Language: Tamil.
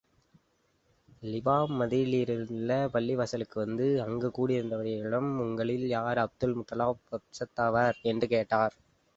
லிமாம் மதீனாவிலுள்ள பள்ளிவாசலுக்கு வந்து, அங்கு கூடியிருந்தவர்களிடம், உங்களில் யார் அப்துல் முத்தலிப் வம்சத்தவர்?, என்று கேட்டார்.